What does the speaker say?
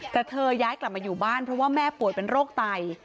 แต่เธอย้ายกลับมาอยู่บ้านเพราะว่าแม่ป่วยเป็นโรคไต